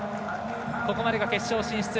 ここまで決勝進出。